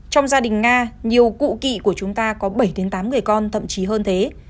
trong gia đình nga nhiều cụ kỵ của chúng ta có bảy tám người con thậm chí hơn thế